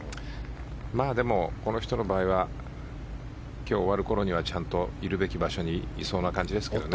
この人の場合は今日が終わるころにはいるべき場所にいそうな感じですけどね。